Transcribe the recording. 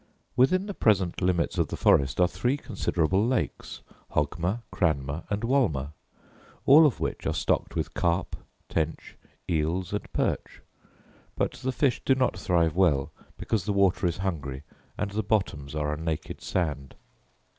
Within the present limits of the forest are three considerable lakes, Hogmer, Cranmer, and Wolmer; all of which are stocked with carp, tench, eels, and perch; but the fish do not thrive well, because the water is hungry, and the bottoms are a naked sand.